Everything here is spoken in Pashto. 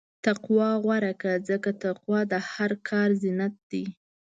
تقوی غوره کړه، ځکه تقوی د هر کار زینت دی.